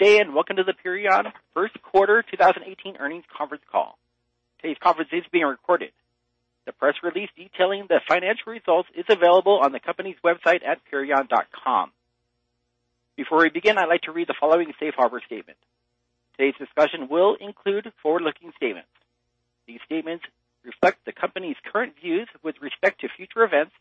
Good day, and welcome to the Perion first quarter 2018 earnings conference call. Today's conference is being recorded. The press release detailing the financial results is available on the company's website at perion.com. Before we begin, I'd like to read the following safe harbor statement. Today's discussion will include forward-looking statements. These statements reflect the company's current views with respect to future events.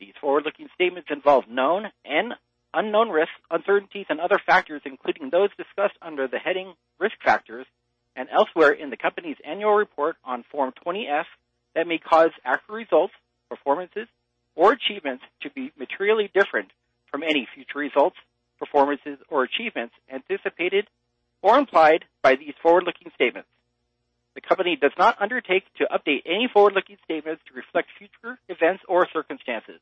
These forward-looking statements involve known and unknown risks, uncertainties, and other factors, including those discussed under the heading "Risk Factors" and elsewhere in the company's annual report on Form 20-F, that may cause actual results, performances, or achievements to be materially different from any future results, performances, or achievements anticipated or implied by these forward-looking statements. The company does not undertake to update any forward-looking statements to reflect future events or circumstances.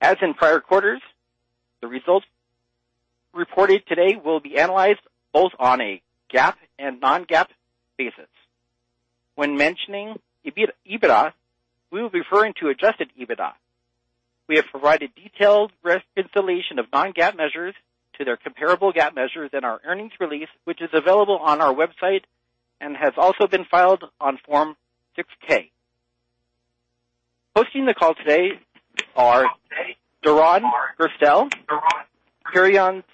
As in prior quarters, the results reported today will be analyzed both on a GAAP and non-GAAP basis. When mentioning EBITDA, we will be referring to adjusted EBITDA. We have provided detailed reconciliation of non-GAAP measures to their comparable GAAP measures in our earnings release, which is available on our website and has also been filed on Form 6-K. Hosting the call today are Doron Gerstel, Perion's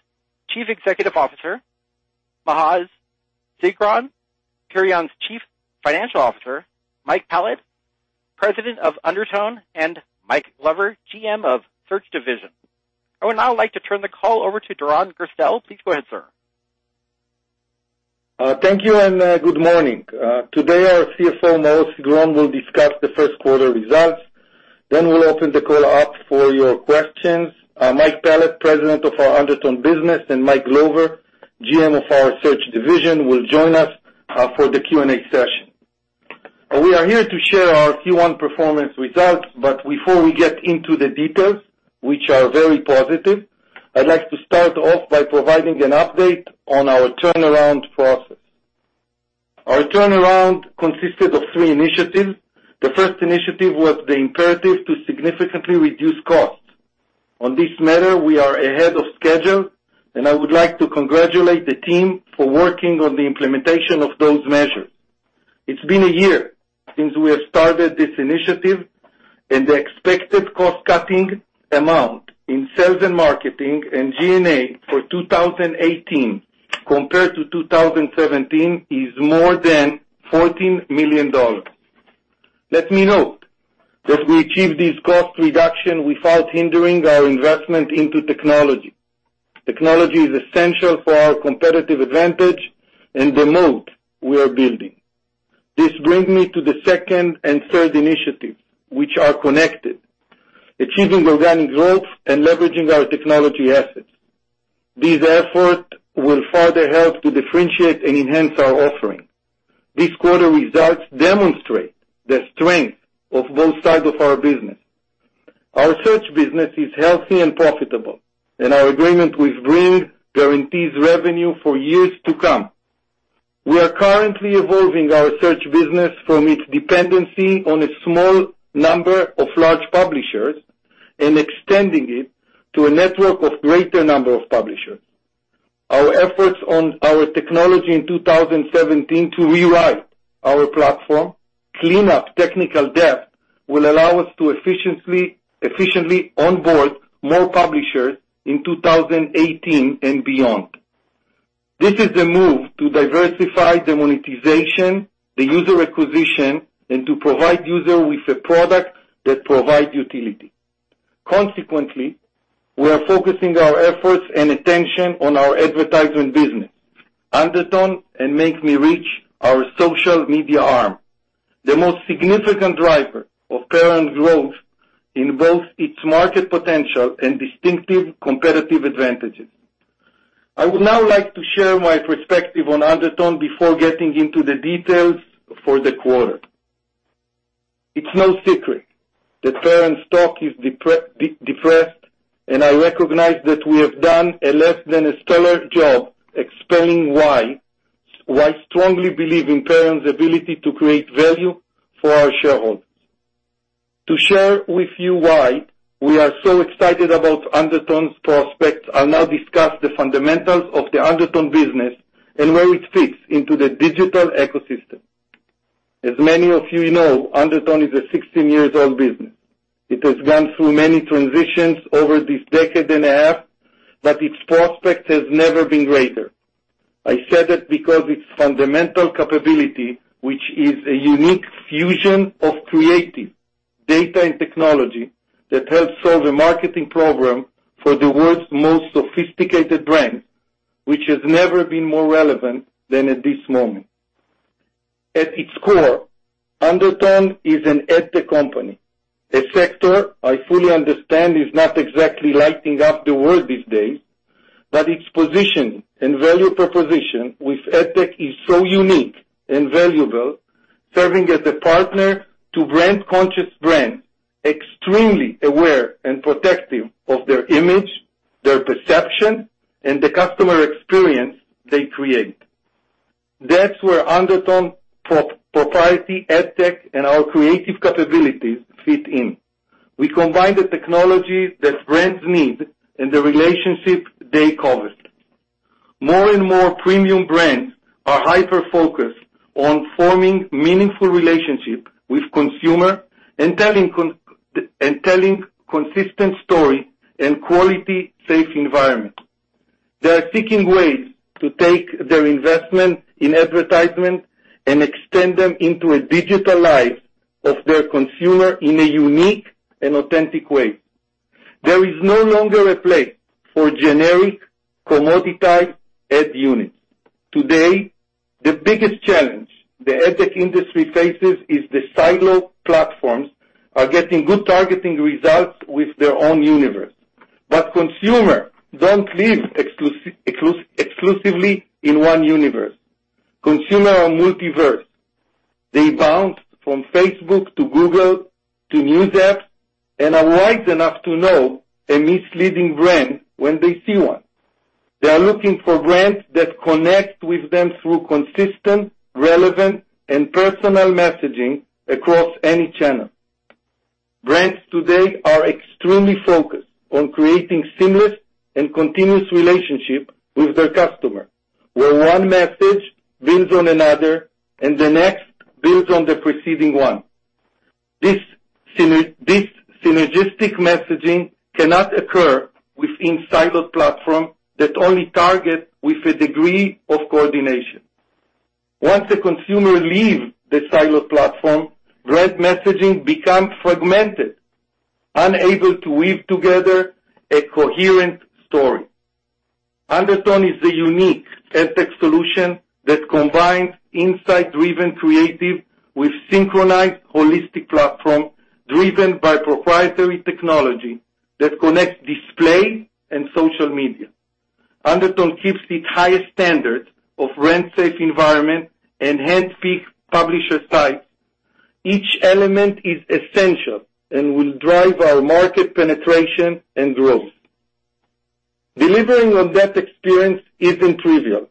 Chief Executive Officer, Maoz Sigron, Perion's Chief Financial Officer, Mike Pallad, President of Undertone, and Mike Glover, GM of Search Division. I would now like to turn the call over to Doron Gerstel. Please go ahead, sir. Thank you, and good morning. Today our CFO, Maoz Sigron, will discuss the first quarter results. We'll open the call up for your questions. Mike Pallad, President of our Undertone business, and Mike Glover, GM of our Search division, will join us for the Q&A session. We are here to share our Q1 performance results. Before we get into the details, which are very positive, I'd like to start off by providing an update on our turnaround process. Our turnaround consisted of three initiatives. The first initiative was the imperative to significantly reduce costs. On this matter, we are ahead of schedule, and I would like to congratulate the team for working on the implementation of those measures. It's been a year since we have started this initiative. The expected cost-cutting amount in sales and marketing and G&A for 2018 compared to 2017 is more than $14 million. Let me note that we achieved this cost reduction without hindering our investment into technology. Technology is essential for our competitive advantage and the moat we are building. This brings me to the second and third initiatives, which are connected: achieving organic growth and leveraging our technology assets. These efforts will further help to differentiate and enhance our offering. This quarter results demonstrate the strength of both sides of our business. Our search business is healthy and profitable. Our agreement with Bing guarantees revenue for years to come. We are currently evolving our search business from its dependency on a small number of large publishers and extending it to a network of greater number of publishers. Our efforts on our technology in 2017 to rewrite our platform, clean up technical debt, will allow us to efficiently onboard more publishers in 2018 and beyond. This is the move to diversify the monetization, the user acquisition, and to provide user with a product that provides utility. Consequently, we are focusing our efforts and attention on our advertising business, Undertone, and MakeMeReach, our social media arm, the most significant driver of Perion's growth in both its market potential and distinctive competitive advantages. I would now like to share my perspective on Undertone before getting into the details for the quarter. It's no secret that Perion's stock is depressed, and I recognize that we have done a less than a stellar job explaining why I strongly believe in Perion's ability to create value for our shareholders. To share with you why we are so excited about Undertone's prospects, I'll now discuss the fundamentals of the Undertone business and where it fits into the digital ecosystem. As many of you know, Undertone is a 16-years-old business. It has gone through many transitions over this decade and a half, but its prospects have never been greater. I said it because its fundamental capability, which is a unique fusion of creative data and technology that helps solve a marketing problem for the world's most sophisticated brands, which has never been more relevant than at this moment. At its core, Undertone is an AdTech company. A sector I fully understand is not exactly lighting up the world these days, but its position and value proposition with AdTech is so unique and valuable, serving as a partner to brand-conscious brands extremely aware and protective of their image, their perception, and the customer experience they create. That's where Undertone proprietary, AdTech, and our creative capabilities fit in. We combine the technologies that brands need and the relationship they covet. More and more premium brands are hyper-focused on forming meaningful relationships with consumers and telling consistent stories in quality, safe environments. They are seeking ways to take their investment in advertisement and extend them into a digital life of their consumer in a unique and authentic way. There is no longer a place for generic commoditized ad units. Today, the biggest challenge the AdTech industry faces is the silo platforms are getting good targeting results with their own universe. Consumers don't live exclusively in one universe. Consumers are multiverse. They bounce from Facebook to Google to news apps and are wise enough to know a misleading brand when they see one. They are looking for brands that connect with them through consistent, relevant, and personal messaging across any channel. Brands today are extremely focused on creating seamless and continuous relationships with their customer, where one message builds on another, and the next builds on the preceding one. This synergistic messaging cannot occur within siloed platforms that only target with a degree of coordination. Once a consumer leaves the siloed platform, brand messaging becomes fragmented, unable to weave together a coherent story. Undertone is a unique AdTech solution that combines insight-driven creative with synchronized holistic platform driven by proprietary technology that connects display and social media. Undertone keeps the highest standard of brand safe environment and handpicked publisher sites. Each element is essential and will drive our market penetration and growth. Delivering on that experience isn't trivial,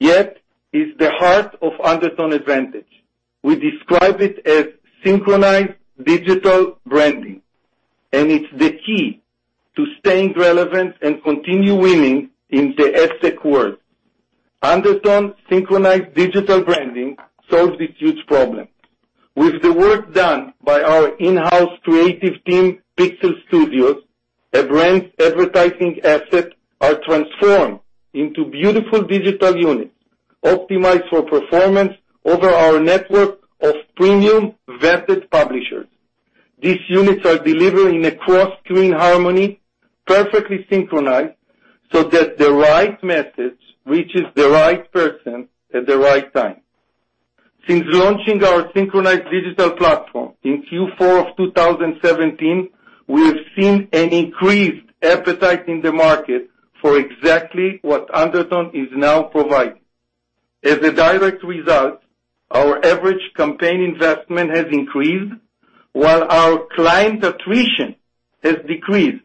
yet is the heart of Undertone advantage. We describe it as Synchronized Digital Branding, it's the key to staying relevant and continue winning in the AdTech world. Undertone Synchronized Digital Branding solves this huge problem. With the work done by our in-house creative team, Pixel Studios, a brand's advertising assets are transformed into beautiful digital units optimized for performance over our network of premium vetted publishers. These units are delivered in a cross-screen harmony, perfectly synchronized so that the right message reaches the right person at the right time. Since launching our synchronized digital platform in Q4 2017, we have seen an increased appetite in the market for exactly what Undertone is now providing. As a direct result, our average campaign investment has increased while our client attrition has decreased.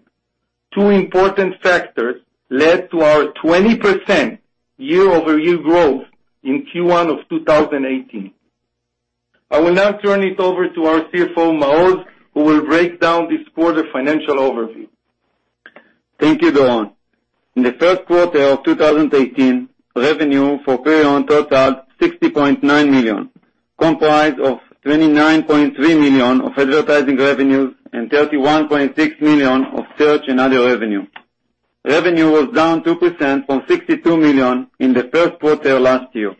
Two important factors led to our 20% year-over-year growth in Q1 2018. I will now turn it over to our CFO, Maoz, who will break down this quarter's financial overview. Thank you, Doron. In the first quarter 2018, revenue for Perion totaled $60.9 million, comprised of $29.3 million of advertising revenues and $31.6 million of search and other revenue. Revenue was down 2% from $62 million in the first quarter last year.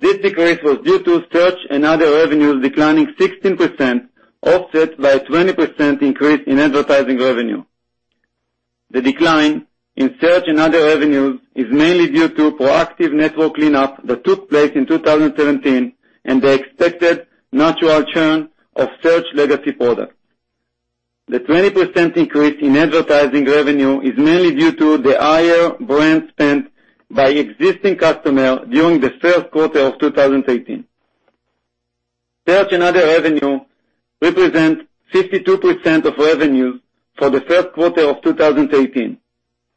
This decrease was due to search and other revenues declining 16%, offset by a 20% increase in advertising revenue. The decline in search and other revenues is mainly due to proactive network cleanup that took place in 2017 and the expected natural churn of search legacy products. The 20% increase in advertising revenue is mainly due to the higher brand spend by existing customers during the first quarter 2018. Search and other revenue represents 52% of revenue for the first quarter 2018,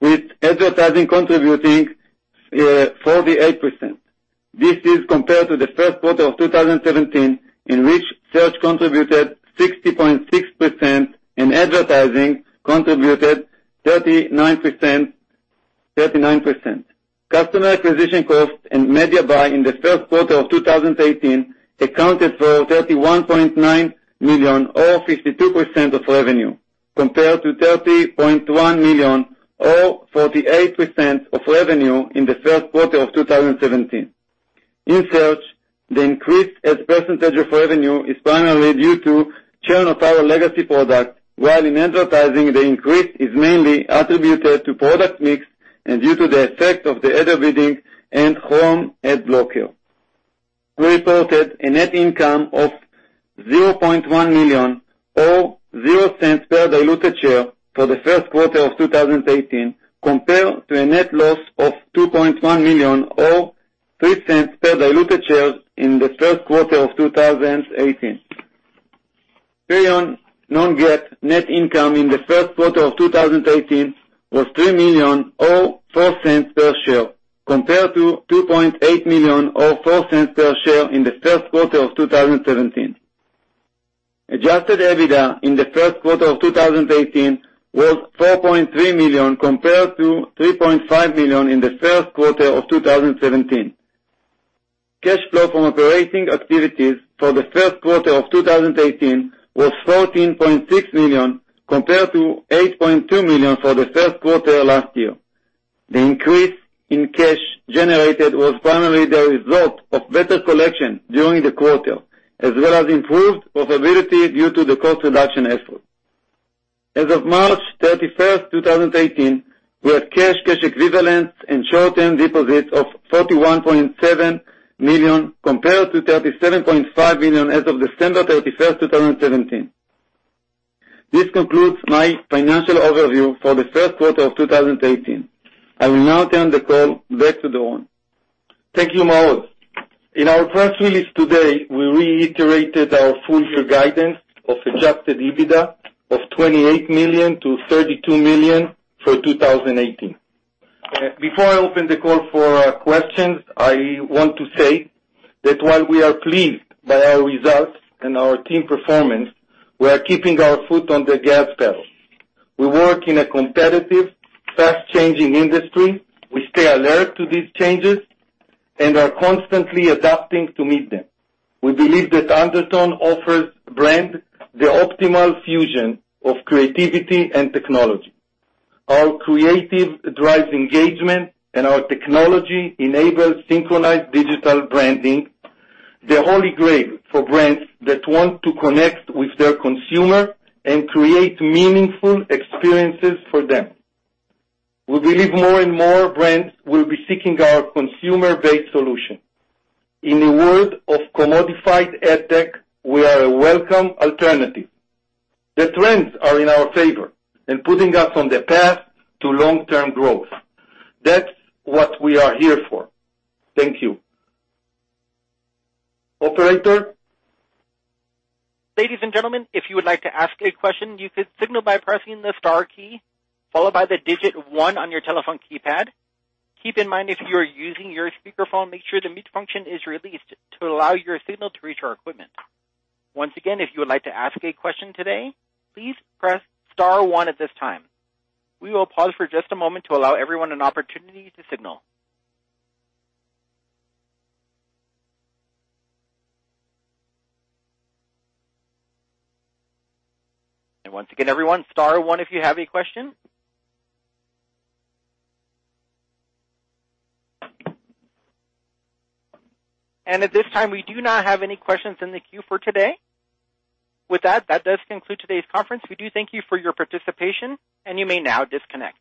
with advertising contributing 48%. This is compared to the first quarter 2017, in which search contributed 60.6% and advertising contributed 39%. Customer acquisition cost and media buy in the first quarter 2018 accounted for $31.9 million or 52% of revenue, compared to $30.1 million or 48% of revenue in the first quarter 2017. In search, the increase as a percentage of revenue is primarily due to churn of our legacy product, while in advertising, the increase is mainly attributed to product mix and due to the effect of the ad bidding and known ad blocker. We reported a net income of $0.1 million or $0.00 per diluted share for the first quarter 2018, compared to a net loss of $2.1 million or $0.03 per diluted share in the first quarter 2018. Perion non-GAAP net income in the first quarter 2018 was $3 million or $0.04 per share, compared to $2.8 million or $0.04 per share in the first quarter 2017. Adjusted EBITDA in the first quarter of 2018 was $4.3 million compared to $3.5 million in the first quarter of 2017. Cash flow from operating activities for the first quarter of 2018 was $14.6 million compared to $8.2 million for the first quarter last year. The increase in cash generated was primarily the result of better collection during the quarter, as well as improved profitability due to the cost reduction effort. As of March 31st, 2018, we had cash equivalents, and short-term deposits of $41.7 million, compared to $37.5 million as of December 31st, 2017. This concludes my financial overview for the first quarter of 2018. I will now turn the call back to Doron. Thank you, Maoz. In our press release today, we reiterated our full-year guidance of adjusted EBITDA of $28 million-$32 million for 2018. Before I open the call for questions, I want to say that while we are pleased by our results and our team performance, we are keeping our foot on the gas pedal. We work in a competitive, fast-changing industry. We stay alert to these changes and are constantly adapting to meet them. We believe that Undertone offers brands the optimal fusion of creativity and technology. Our creative drives engagement, and our technology enables Synchronized Digital Branding, the Holy Grail for brands that want to connect with their consumer and create meaningful experiences for them. We believe more and more brands will be seeking our consumer-based solution. In a world of commodified AdTech, we are a welcome alternative. The trends are in our favor and putting us on the path to long-term growth. That's what we are here for. Thank you. Operator? Ladies and gentlemen, if you would like to ask a question, you could signal by pressing the star key followed by the digit 1 on your telephone keypad. Keep in mind, if you're using your speakerphone, make sure the mute function is released to allow your signal to reach our equipment. Once again, if you would like to ask a question today, please press star one at this time. We will pause for just a moment to allow everyone an opportunity to signal. Once again, everyone, star one if you have a question. At this time, we do not have any questions in the queue for today. With that does conclude today's conference. We do thank you for your participation, and you may now disconnect.